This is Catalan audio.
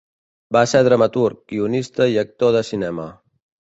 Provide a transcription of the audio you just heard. Va ser dramaturg, guionista i actor de cinema.